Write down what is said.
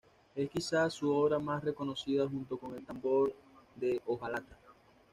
Es quizá su obra más reconocida junto con "El tambor de hojalata".